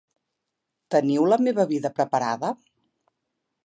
Teniu la meva vida preparada?